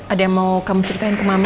ada yang mau kamu ceritain ke mama